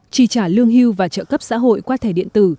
chi trả lương hưu và trợ cấp xã hội qua thẻ điện tử